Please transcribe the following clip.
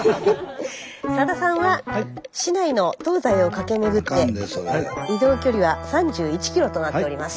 さださんは市内の東西を駆け巡って移動距離は３１ｋｍとなっております。